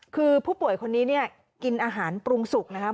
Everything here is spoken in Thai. คือผู้ป่วยคนนี้เนี่ยกินอาหารปรุงสุกนะครับ